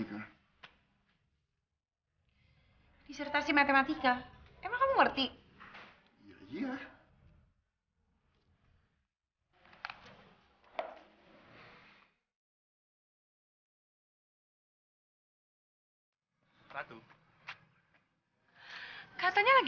it's number three petunjuk si wampung m pathway